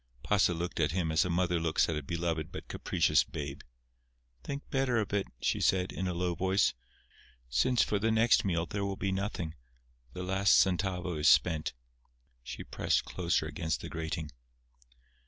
Pasa looked at him as a mother looks at a beloved but capricious babe. "Think better of it," she said, in a low voice; "since for the next meal there will be nothing. The last centavo is spent." She pressed closer against the grating.